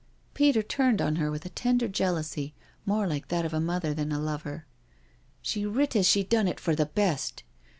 Peter turned on her with a tender jealousy^ more like that of a mother than a lover. '* She writ as she done it for the best.